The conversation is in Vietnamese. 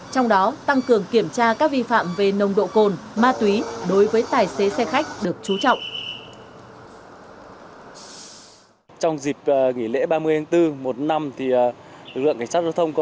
trong đó tăng cường kiểm tra các vi phạm về nồng độ cồn ma túy đối với tài xế xe khách được trú trọng